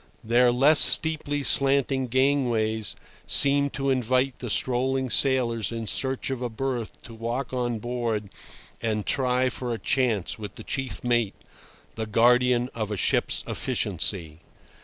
Their less steeply slanting gangways seemed to invite the strolling sailors in search of a berth to walk on board and try "for a chance" with the chief mate, the guardian of a ship's efficiency.